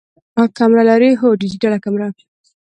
کمره لرئ؟ هو، ډیجیټل کمره